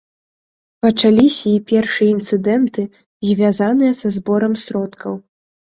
Пачаліся і першыя інцыдэнты, звязаныя са зборам сродкаў.